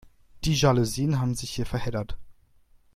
Die Jalousien haben sich hier verheddert.